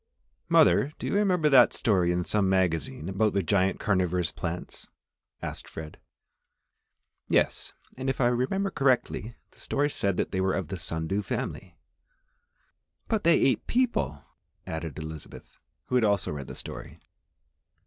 "Mother, do you remember that story in some magazine about the giant carnivorous plants?" asked Fred. "Yes, and if I remember correctly, the story said they were of the sun dew family." "But they ate people!" added Elizabeth, who had also read the story.